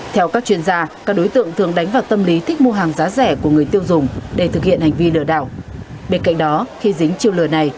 theo các chuyên gia các đối tượng thường đánh vào tâm lý thích mua hàng giá rẻ của người tiêu dùng để thực hiện hành vi lừa đảo bên cạnh đó khi dính chiêu lừa này